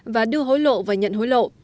và đưa hối lộ và nhận hối lộ